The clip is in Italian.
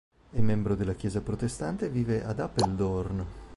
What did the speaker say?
È membro della Chiesa protestante e vive ad Apeldoorn.